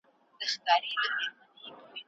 که سياست د همږغۍ په وخت کي وي هم د قدرت زېږنده دی.